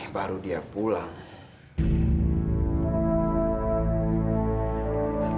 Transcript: baru dia pulang